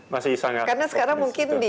masih sangat optimis karena sekarang mungkin